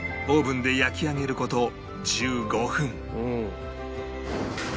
オーブンで焼き上げる事１５分